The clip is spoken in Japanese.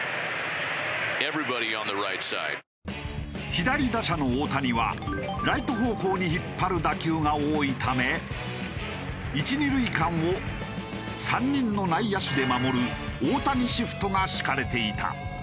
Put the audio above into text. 左打者の大谷はライト方向に引っ張る打球が多いため１・２塁間を３人の内野手で守る大谷シフトが敷かれていた。